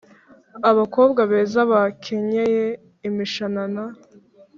abakobwa beza bakenyeye imishanana